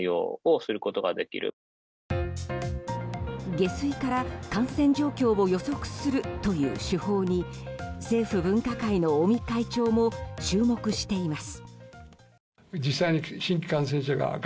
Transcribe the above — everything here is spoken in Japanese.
下水から感染状況を予測するという手法に政府分科会の尾身会長も注目しています。